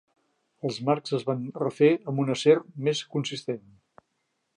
Els marcs es van refer amb un acer més consistent.